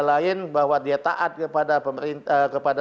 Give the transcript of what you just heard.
lain bahwa dia taat kepada